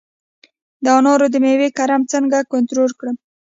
د انارو د میوې کرم څنګه کنټرول کړم؟